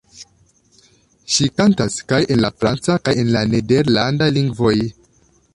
Ŝi kantas kaj en la franca kaj en la nederlanda lingvoj.